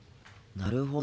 なるほど。